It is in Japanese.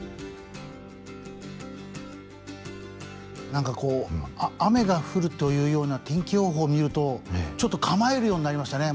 何かこう雨が降るというような天気予報を見るとちょっと構えるようになりましたね